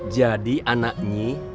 jadi anak nyi